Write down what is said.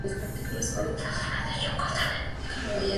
Varias son las obras de John Constable dedicadas a la bahía de Weymouth.